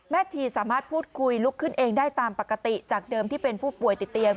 ชีสามารถพูดคุยลุกขึ้นเองได้ตามปกติจากเดิมที่เป็นผู้ป่วยติดเตียง